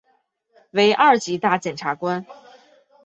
为二级大检察官。